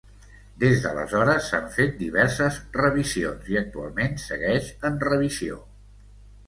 Des d'aleshores s'han fet diverses revisions i actualment segueix en revisió.